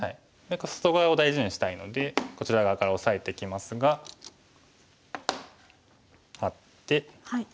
外側を大事にしたいのでこちら側からオサえてきますがハッて。